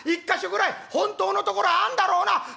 １か所ぐらい本当のところあんだろうな？」。